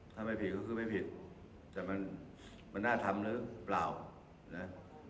ถ้าไม่ผิดก็คือไม่ผิดแต่มันมันน่าทำหรือเปล่านะ